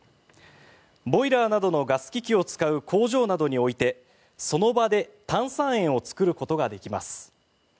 ボイラーなどのガス機器を使う工場などに置いてその場で炭酸塩を作ることができます。